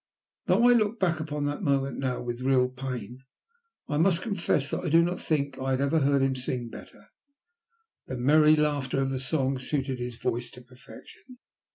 Though I look back upon that moment now with real pain, I must confess that I do not think I had ever heard him sing better; the merry laughter of the song suited his voice to perfection.